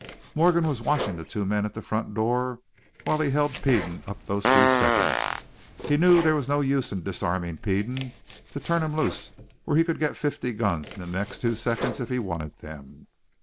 Morgan was watching the two men at the front door while he held Peden up those few seconds. He knew there was no use in disarming Peden, to turn him loose where he could get fifty guns in the next two seconds if he wanted them.